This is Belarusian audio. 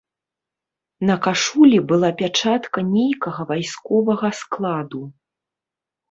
На кашулі была пячатка нейкага вайсковага складу.